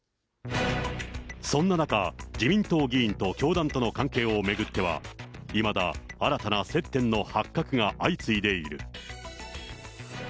そんな中、自民党議員と教団との関係を巡っては、いまだ新たな接点の発覚が相次いでいる。